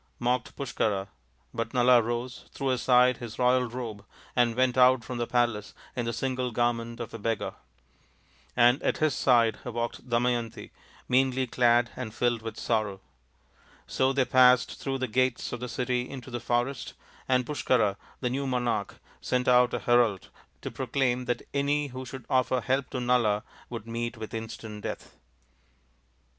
" mocked Push kara, but Nala rose, threw aside his royal robe, and went out from the palace in the single garment of a beggar. And at his side walked Damayanti, meanly clad and filled with sorrow. So they passed through the gates of the city into the forest, and Pushkara, the new monai^h, sent out a herald to proclaim that any who should offer help to Nala would meet with ii^ant death.